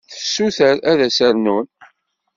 Tessuter ad as-rnun.